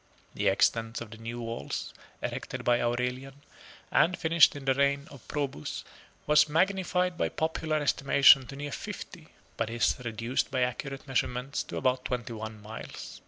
41 The extent of the new walls, erected by Aurelian, and finished in the reign of Probus, was magnified by popular estimation to near fifty, 42 but is reduced by accurate measurement to about twenty one miles.